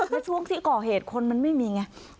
แล้วช่วงที่ก่อเหตุคนมันไม่มีไง